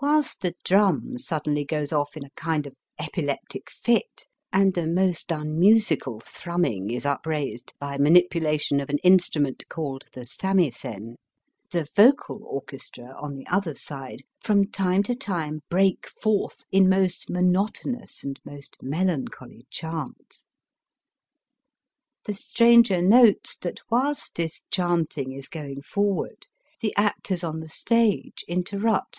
Whilst the drum suddenly goes off in a kind of epileptic fit, and a most unmusical thrumming is up raised by manipulation of an instrument called the samisen, the vocal orchestra on the other side from time to time break forth in most monotonous and most melancholy chant. The stranger notes that whilst this chanting is going forward the actors on the stage interrupt Digitized by VjOOQIC A JAPANESE THEATEE.